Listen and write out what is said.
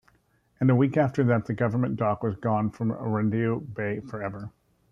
And a week after that the Government Dock was gone from Rondeau Bay forever.